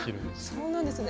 そうなんですね